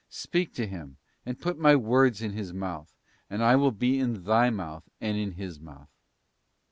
Speak to him, and put My words in his mouth, and I will be in thy mouth and in his mouth.